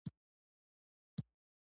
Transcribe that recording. حیوانات دا توان نهلري.